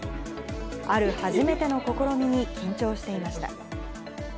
ある初めての試みに、緊張していました。